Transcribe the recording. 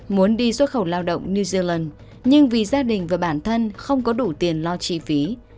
muốn đi xuất khẩu lao động new zealand nhưng vì gia đình và bản thân không có đủ tiền lo chi phí